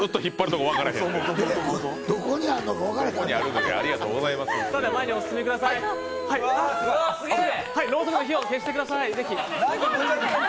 ろうそくの火を消してください。